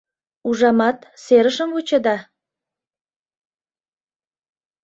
— Ужамат, серышым вучеда?